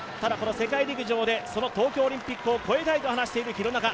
世界陸上で東京オリンピックを超えたいと話している廣中。